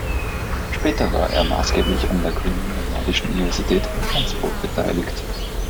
Später war er maßgeblich an der Gründung der Nordischen Universität in Flensburg beteiligt.